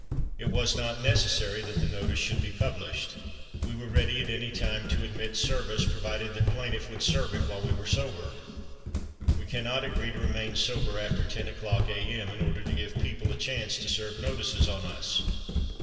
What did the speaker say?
It was not necessary that the notice should be published. We were ready at any time to admit service, provided that plaintiff would serve it while we were sober. We cannot agree to remain sober after ten o'clock a. m. in order to give people a chance to serve notices on us.